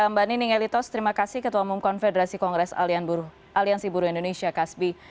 mbak nining elitos terima kasih ketua umum konfederasi kongres aliansi buruh indonesia kasbi